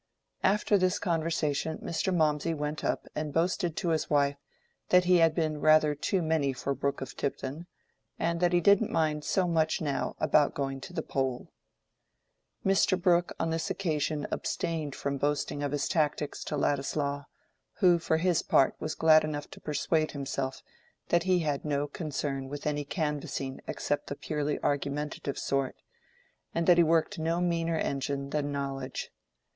After this conversation Mr. Mawmsey went up and boasted to his wife that he had been rather too many for Brooke of Tipton, and that he didn't mind so much now about going to the poll. Mr. Brooke on this occasion abstained from boasting of his tactics to Ladislaw, who for his part was glad enough to persuade himself that he had no concern with any canvassing except the purely argumentative sort, and that he worked no meaner engine than knowledge.